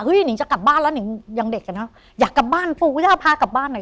เห้ยหนิงจะกลับบ้านแล้วหนิงยังเด็กเนอะอยากกลับบ้านพูดว่าถ้าพากลับบ้านหน่อย